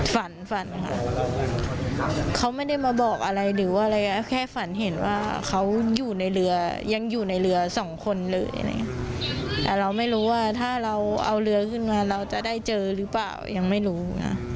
ฝันฝันค่ะเขาไม่ได้มาบอกอะไรหรือว่าอะไรแค่ฝันเห็นว่าเขาอยู่ในเรือยังอยู่ในเรือสองคนเลยอะไรอย่างเงี้ยแต่เราไม่รู้ว่าถ้าเราเอาเรือขึ้นมาเราจะได้เจอหรือเปล่ายังไม่รู้นะ